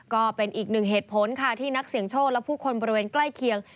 ก็เป็นอีกหนึ่งเหตุผลค่ะที่นักเสี่ยงโชคและผู้คนบริเวณใกล้เคียง